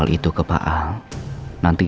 fileskin adalah apa ya